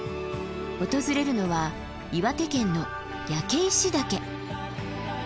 訪れるのは岩手県の焼石岳。